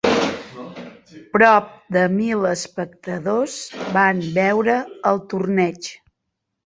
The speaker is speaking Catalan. Prop de mil espectadors van veure el torneig.